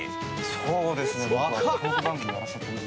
そうですね。